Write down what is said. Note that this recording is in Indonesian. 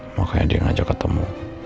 makanya dia ngajak ketemu